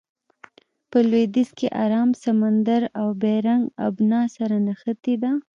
په لویدیځ کې ارام سمندر او بیرنګ آبنا سره نښتې ده.